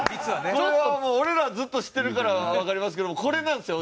これはもう俺らはずっと知ってるからわかりますけどもこれなんですよ